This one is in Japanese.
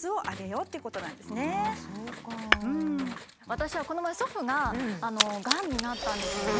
私はこの前祖父ががんになったんですよね。